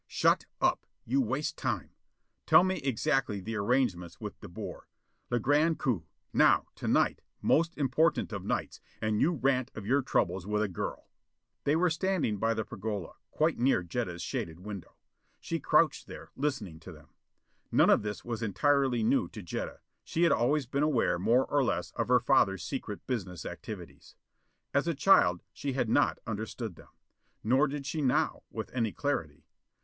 "Shut up: you waste time. Tell me exactly the arrangements with De Boer. Le grand coup! now; to night most important of nights and you rant of your troubles with a girl!" They were standing by the pergola, quite near Jetta's shaded window. She crouched there, listening to them. None of this was entirely new to Jetta. She had always been aware more or less of her father's secret business activities. As a child she had not understood them. Nor did she now, with any clarity.